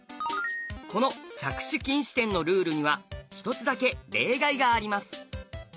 この着手禁止点のルールには一つだけ例外があります。